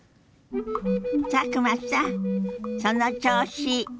佐久間さんその調子！